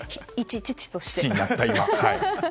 父になった今。